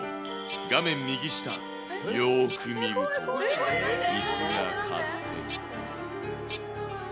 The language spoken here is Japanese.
画面右下、よーく見ると、いすが勝手に。